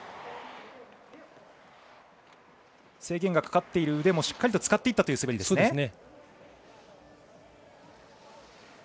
制限がかかっている腕もしっかりと使っていったという滑りですね。